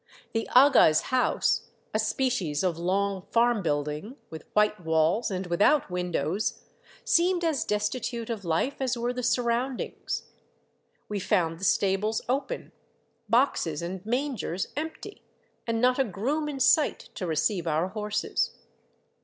The aga's house, a species of long farm building, with white walls and without windows, seemed as destitute of life as were the surroundings. We found the stables open, boxes and mangers empty, and not a groom in sight to receive our horses.